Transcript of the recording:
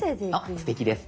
すてきです